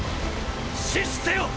死守せよ！！